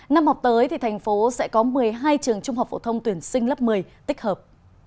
năm học tới thì thành phố sẽ có một mươi hai trường trung học phổ thông tuyển sinh lớp một mươi tích hợp